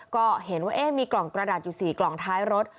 ก็เห็นว่ามีกล่องกระดาษอยู่๔กล่องท้ายรถ